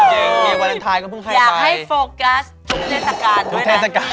เหมือนวาเลนไทยก็พึ่งไปไปอเรนนี่อยากให้โฟกัสทุกเทศกาลด้วยนะ